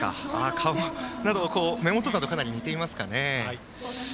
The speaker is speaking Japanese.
目元などかなり似ていますかね。